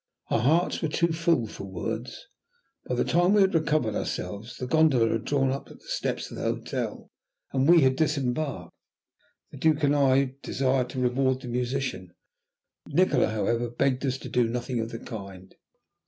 Our hearts were too full for words. By the time we had recovered ourselves the gondola had drawn up at the steps of the hotel, and we had disembarked. The Duke and I desired to reward the musician; Nikola however begged us to do nothing of the kind.